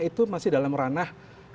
itu masih dalam ranah